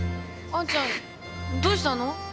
あんちゃんどうしたの？